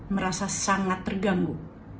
merasa sangat terganggu